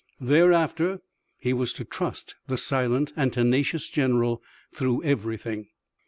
Thereafter he was to trust the silent and tenacious general through everything.